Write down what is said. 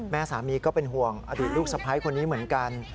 แม่สามีก็เป็นห่วงอดีตลูกสะพ้ายคนนี้เหมือนกัน